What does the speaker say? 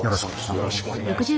よろしくお願いします。